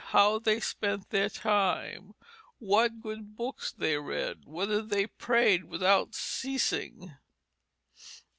How they spent their time, what good books they read? Whether they prayed without ceasing?"